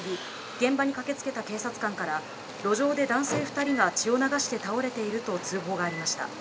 現場に駆け付けた警察官から路上で男性２人が血を流して倒れていると通報がありました。